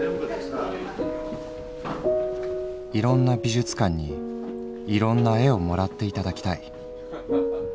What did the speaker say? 「いろんな美術館にいろんな絵を貰っていただきたい。